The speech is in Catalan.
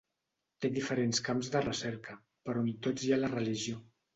Té diferents camps de recerca, però en tots hi ha la religió.